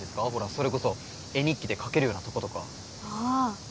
それこそ絵日記で描けるようなとことかああ